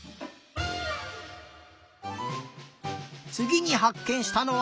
つぎにはっけんしたのは。